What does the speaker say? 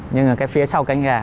nhưng mà cái phía sau cánh gà